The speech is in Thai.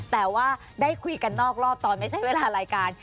แต่ว่าได้คุยกันนอกรอบตอนไม่ใช่เวลารายการ